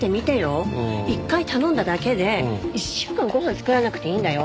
１回頼んだだけで１週間ご飯作らなくていいんだよ。